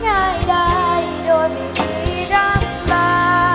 ไม่ได้โดยไม่มีรักบา